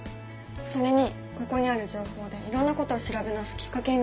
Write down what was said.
それにここにある情報でいろんなことを調べ直すきっかけになるんじゃない？